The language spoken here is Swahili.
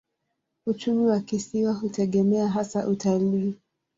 Uchumi wa kisiwa hutegemea hasa utalii.